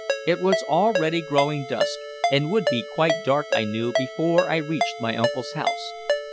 It was already growing dusk, and would be quite dark, I knew, before I reached my uncle's house.